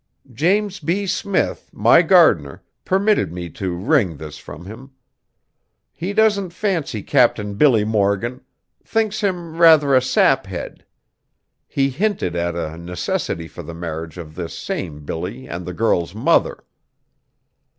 James B. Smith, my gardener, permitted me to wring this from him. He doesn't fancy Captain Billy Morgan, thinks him rather a saphead. He hinted at a necessity for the marriage of this same Billy and the girl's mother.